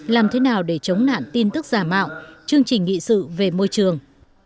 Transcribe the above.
làm thế nào để chống nạn tin tức giả mạo chương trình nghị sự về môi trường